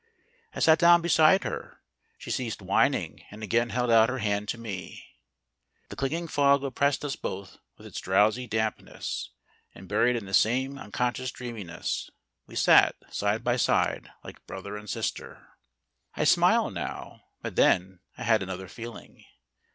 I sat down beside her ; she ceased whining, and again held out her hand to me. The clinging fog oppressed us both with its drowsy dampness ; and buried in the same un 318 POEMS IN PROSE conscious dreaminess, we sat side by side like brother and sister. I smile now ... but then I had another feeling.